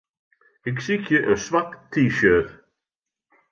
Ik sykje in swart T-shirt.